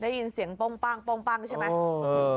ได้ยินเสียงป้องปั้งป้องปั้งใช่ไหม